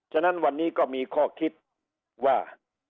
ฉะนั้นวันนี้ก็มีข้อคิดว่า